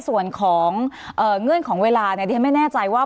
ส่วนของเอ่อเงื่อนของเวลาเนี้ยเดี๋ยวไม่แน่ใจว่า